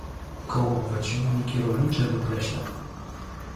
Kołowe ciągniki rolnicze lub leśne